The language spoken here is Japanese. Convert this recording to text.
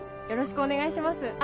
よろしくお願いします。